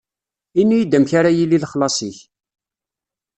Ini-yi-d amek ara yili lexlaṣ-ik?